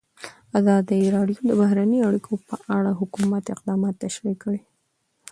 ازادي راډیو د بهرنۍ اړیکې په اړه د حکومت اقدامات تشریح کړي.